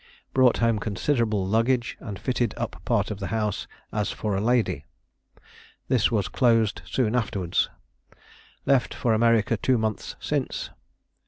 Brought home considerable luggage, and fitted up part of house, as for a lady. This was closed soon afterwards. Left for America two months since.